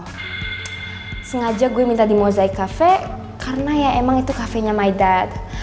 tsk sengaja gue minta di mosaic cafe karena ya emang itu cafe nya my dad